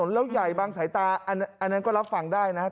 แล้วใหญ่บางสายตาอันนั้นก็รับฟังได้นะครับ